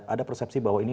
ada persepsi bahwa ini